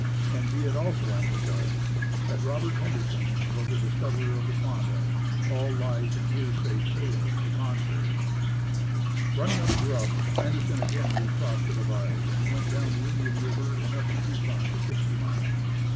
And be it also emphasized, that Robert Henderson was the discoverer of Klondike, all lies and hearsay tales to the contrary. Running out of grub, Henderson again recrossed the divide, and went down the Indian River and up the Yukon to Sixty Mile.